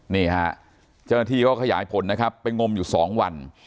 นี่ฮะเจ้าหน้าที่ก็ขยายผลนะครับไปงมอยู่๒วัน